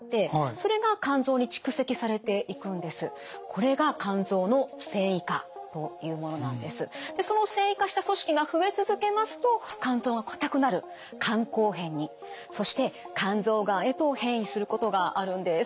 その線維化した組織が増え続けますと肝臓が硬くなる肝硬変にそして肝臓がんへと変異することがあるんです。